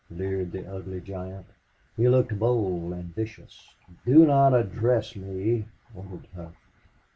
leered the ugly giant. He looked bold and vicious. "Do not address me," ordered Hough.